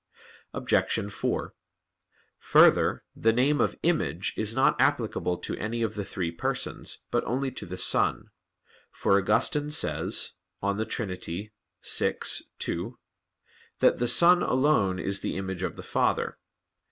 Obj. 4: Further, the name of Image is not applicable to any of the Three Persons, but only to the Son; for Augustine says (De Trin. vi, 2) that "the Son alone is the image of the Father."